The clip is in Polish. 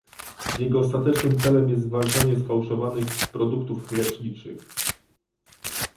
Jego ostatecznym celem jest zwalczanie sfałszowanych produktów leczniczych